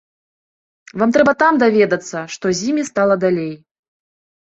Вам трэба там даведвацца, што з імі стала далей.